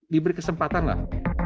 diberi kesempatan lah